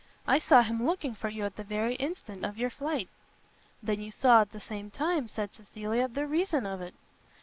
I saw him looking for you at the very instant of your flight." "Then you saw at the same time," said Cecilia, "the reason of it."